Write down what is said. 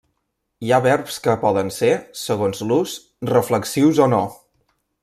Hi ha verbs que poden ser, segons l'ús, reflexius o no.